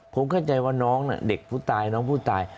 ผมเข้าใจว่าน้องน่ะเด็กผู้ตายน้องผู้ตาย